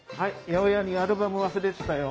八百屋にアルバム忘れてたよ。